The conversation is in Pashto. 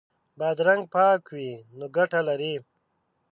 بادرنګ پاک وي نو ګټه لري.